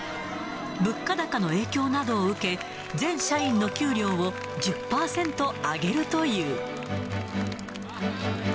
物価高の影響などを受け、全社員の給料を１０％上げるという。